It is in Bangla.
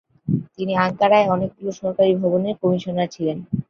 তিনি আঙ্কারায় অনেকগুলি সরকারী ভবনের কমিশনার ছিলেন।